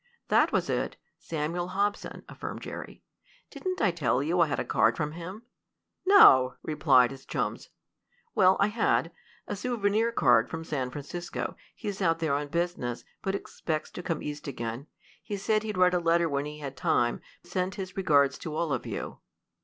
"That was it Samuel Hobson," affirmed Jerry. "Didn't I tell you I had a card from him?" "No," replied his chums. "Well, I had. A souvenir card from San Francisco. He's out there on business, but expects to come East again. He said he'd write a letter when he had time. Sent his regards to all of you."